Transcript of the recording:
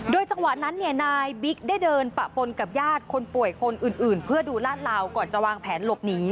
จังหวะนั้นเนี่ยนายบิ๊กได้เดินปะปนกับญาติคนป่วยคนอื่นเพื่อดูลาดลาวก่อนจะวางแผนหลบหนี